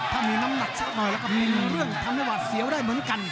ถ้ามีน้ำหนักสักหน่อยแล้วก็มีเรื่องทำให้หวัดเสียวได้เหมือนกัน